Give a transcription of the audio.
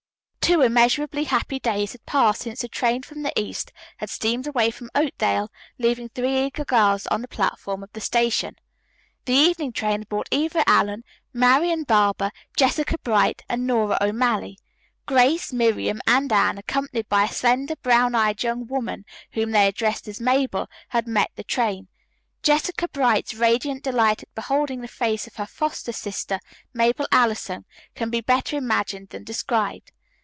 Two immeasurably happy days had passed since the train from the east had steamed away from Oakdale, leaving three eager girls on the platform of the station. The evening train had brought Eva Allen, Marian Barber, Jessica Bright and Nora O'Malley. Grace, Miriam and Anne, accompanied by a slender, brown eyed young woman, whom they addressed as Mabel, had met the train. Jessica Bright's radiant delight at beholding the face of her foster sister, Mabel Allison, can be better imagined than described.